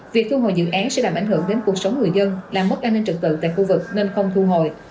việc thu hồi dự án sẽ làm ảnh hưởng đến cuộc sống người dân làm mất an ninh trực tự tại khu vực nên không thu hồi